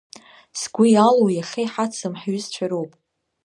Сгәы иалоу иахьа иҳацым ҳҩызцәа роуп.